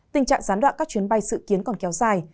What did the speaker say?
tình trạng gián đoạn các chuyến bay dự kiến còn kéo dài